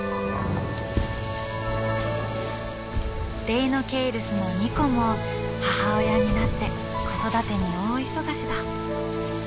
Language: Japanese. デイノケイルスのニコも母親になって子育てに大忙しだ。